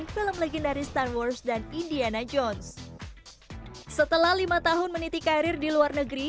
film legendaris star wars dan indiana jones setelah lima tahun meniti karir di luar negeri